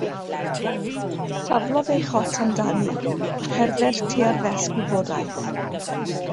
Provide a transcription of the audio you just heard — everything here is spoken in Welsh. Taflodd ei chot amdani a cherdded tua'r ddesg wybodaeth.